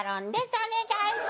お願いします。